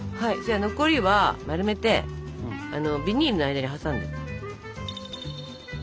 残りは丸めてビニールの間に挟んで。